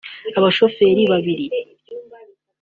Abashoferi babiri